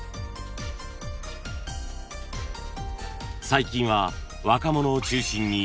［最近は若者を中心に］